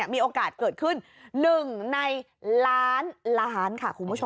มีโอกาสเกิดขึ้น๑ในล้านล้านค่ะคุณผู้ชม